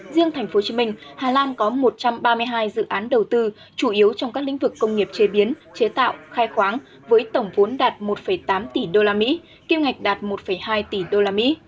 riêng tp hcm hà lan có một trăm ba mươi hai dự án đầu tư chủ yếu trong các lĩnh vực công nghiệp chế biến chế tạo khai khoáng với tổng vốn đạt một tám tỷ usd kiêm ngạch đạt một hai tỷ usd